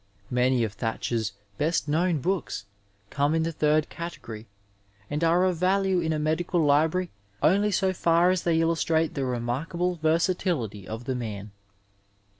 Many of Thacher's best known books come in the third category, and are of value in a medical library only so far as they illostiate the remarkable versatility of the man.